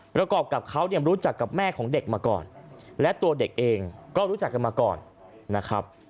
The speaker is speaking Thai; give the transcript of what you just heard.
ประกอบกับเขาเนี่ยรู้จักกับแม่ของเด็กมาก่อนและตัวเด็กเองก็รู้จักกันมาก่อนนะครับ